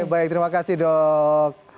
baik terima kasih dok